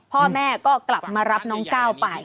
พ่อแม่ก็กลับมารับน้องก้าวไป